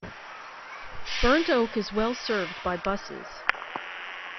Burnt Oak is well served by buses.